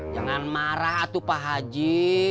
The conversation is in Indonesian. jangan marah atau pak haji